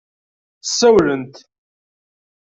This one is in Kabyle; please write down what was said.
Ssawlent.